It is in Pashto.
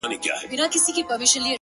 هغه به اور له خپلو سترګو پرېولي،